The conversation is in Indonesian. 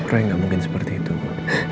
roy gak mungkin seperti itu ma